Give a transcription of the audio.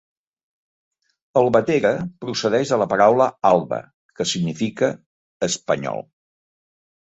Albatera procedeix de la paraula Alba, que significa Espanyol.